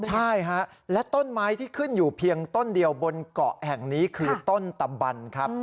ใช่ฮะและต้นไม้ที่ขึ้นอยู่เพียงต้นเดียวบนเกาะแห่งนี้คือต้นตะบันครับ